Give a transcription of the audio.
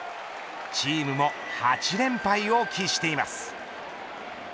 チームも８連敗を喫しています。